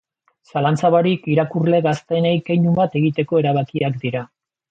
Zalantza barik, irakurle gazteenei keinu bat egiteko erabakiak dira.